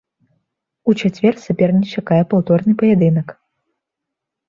У чацвер саперніц чакае паўторны паядынак.